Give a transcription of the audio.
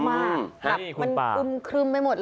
อืมหุ้มครึมไม่หมดเลย